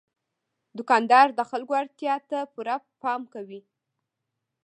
دوکاندار د خلکو اړتیا ته پوره پام کوي.